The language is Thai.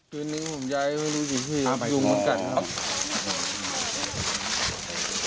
คืนนี้ผมย้ายไม่รู้อยู่ที่ยุงมันกัดครับ